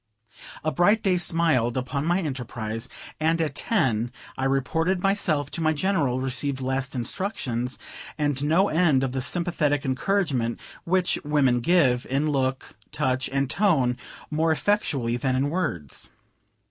A bright day smiled upon my enterprise, and at ten I reported myself to my General, received last instructions and no end of the sympathetic encouragement which women give, in look, touch, and tone more effectually than in words.